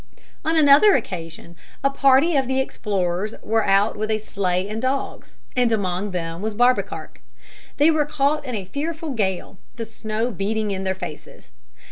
On another occasion a party of the explorers were out with a sleigh and dogs, and among them was Barbekark. They were caught in a fearful gale, the snow beating in their faces.